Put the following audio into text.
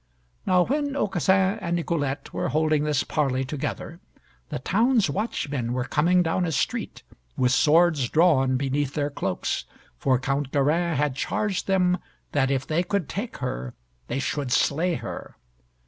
Now when Aucassin and Nicolette were holding this parley together, the town's watchmen were coming down a street, with swords drawn beneath their cloaks, for Count Garin had charged them that if they could take her, they should slay her.